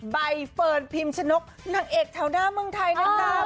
ใบเฟิร์นพิมชนกนางเอกแถวหน้าเมืองไทยนะคะ